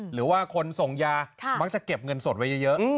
หรือว่าคนส่งยามักจะเก็บเงินสดไว้เยอะ